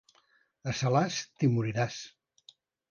A Salàs, t'hi moriràs.